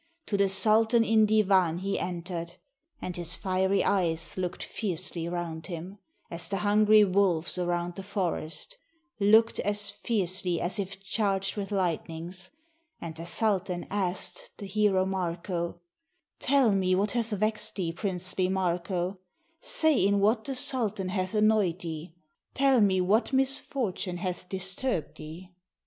To the sultan in divan he enter 'd; And his fiery eyes look'd fiercely round him, As the hungry wolves around the forest; Look'd as fiercely as if charged with lightnings. And the sultan ask'd the hero Marko, "Tell me what hath vexed thee, princely Marko? Say in what the sultan hath annoy'd thee? Tell me what misfortune hath disturb 'd thee?"